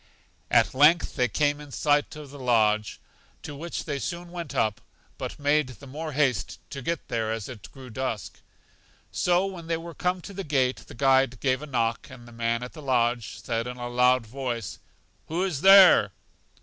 At length they came in sight of the lodge, to which they soon went up, but made the more haste to get there as it grew dusk. So when they were come to the gate the guide gave a knock, and the man at the lodge said in a loud voice, Who is there?